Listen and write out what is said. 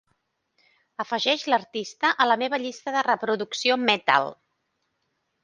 Afegeix l'artista a la meva llista de reproducció Metal.